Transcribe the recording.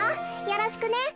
よろしくね。